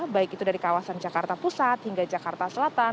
baik itu dari kawasan jakarta pusat hingga jakarta selatan